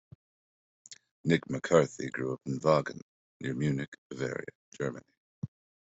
Nick McCarthy grew up in Vagen near Munich, Bavaria, Germany.